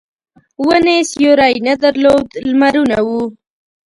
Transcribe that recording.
ونې سیوری نه درلود لمرونه وو.